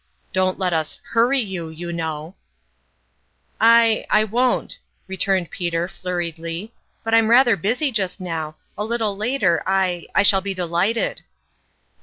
Don't let us hurry you, you know !" "I I won't," returned Peter, flurriedly; " but I'm rather busy just now : a little later, I I shall be delighted."